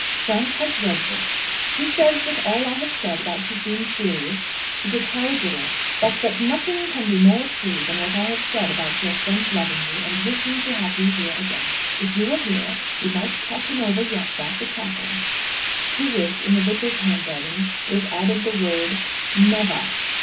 Frank has read this. He says that all I have said about his being serious is a tarradiddle; but that nothing can be more true than what I have said about your friends loving you, and wishing to have you here again. If you were here we might talk him over yet about the chapel. To which, in the Vicar's handwriting, was added the word, "Never!"